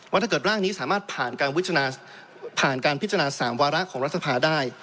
ว่าถ้าเกิดร่างนี้สามารถผ่านการพิจารณา๓วาระของรัฐภาคได้